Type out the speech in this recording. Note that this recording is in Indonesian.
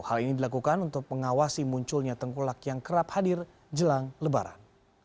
hal ini dilakukan untuk mengawasi munculnya tengkulak yang kerap hadir jelang lebaran